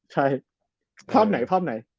ใช่ภาพไหนภาพไหน